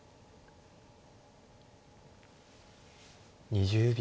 ２０秒。